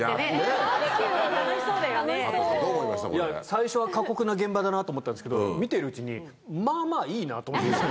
最初は過酷な現場だなと思ったんですけど、見てるうちに、まあまあいいなと思ったり。